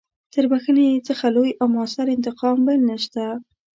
تر بخښنې څخه لوی او مؤثر انتقام بل نشته.